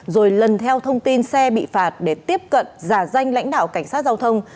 rồi lần theo thông tin xe bị phạt để tiếp cận giả danh lãnh đạo cảnh sát giao thông